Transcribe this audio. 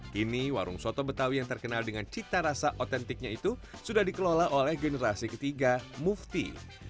kini warung soto betawi yang terkenal dengan cita rasa otentiknya itu sudah dikelola oleh generasi ketiga mufti